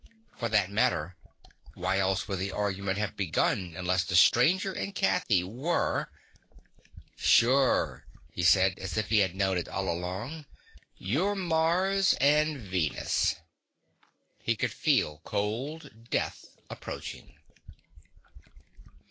For that matter, why else would the argument have begun unless the stranger and Kathy were "Sure," he said, as if he had known it all along. "You're Mars and Venus." He could feel cold death approaching.